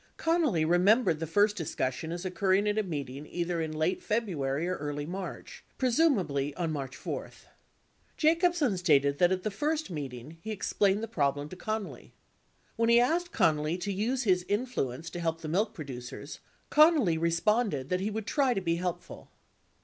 Connally remembered the first discussion as occurring at a meeting either in late February or early March, presumably on March 4. 4a Jacobsen stated that at the first meeting he explained the problem to Connally. When he asked Connally to use his influence to help the milk producers, Connally responded that he would try to be helpful.